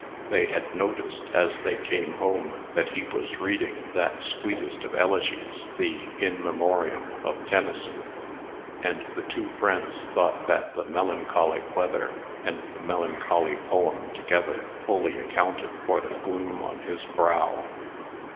They had noticed, as they came home, that he was reading that sweetest of elegies, the "In Memoriam" of Tennyson. And the two friends thought that the melancholy weather and the melancholy poem together fully accounted for the gloom on his brow.